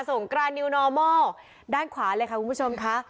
กรานิวนอร์มอลด้านขวาเลยค่ะคุณผู้ชมค่ะ